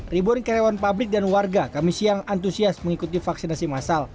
ribuan karyawan pabrik dan warga kami siang antusias mengikuti vaksinasi masal